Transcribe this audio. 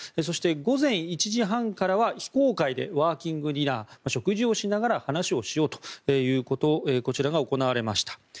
そして、午前１時半からは非公開でワーキングディナー食事をしながら話をしようとということこちらが行われました。